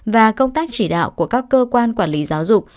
và công tác chỉ đạo của các cơ quan quản lý giáo dục